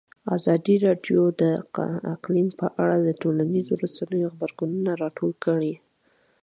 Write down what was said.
ازادي راډیو د اقلیم په اړه د ټولنیزو رسنیو غبرګونونه راټول کړي.